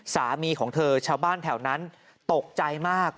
สามีของเธอชาวบ้านแถวนั้นตกใจมาก